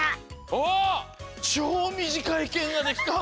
あっちょうみじかいけんができた。